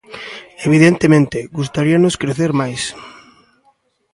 Evidentemente, gustaríanos crecer máis.